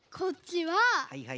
はいはい。